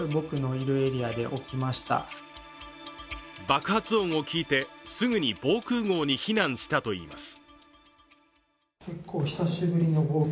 爆発音を聞いて、すぐに防空ごうに避難したといいます。